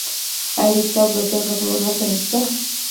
آیا د کتاب لوستلو کلتور هلته نشته؟